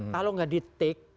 kalau nggak di take